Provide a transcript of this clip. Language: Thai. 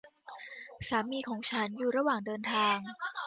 สามีของฉันอยู่ระหว่างเดินทาง